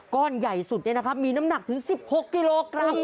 ก้อนใหญ่สุดนี่นะครับมีน้ำหนักถึง๑๖กิโลกรัม